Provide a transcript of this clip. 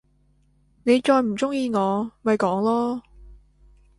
你再唔中意我，咪講囉！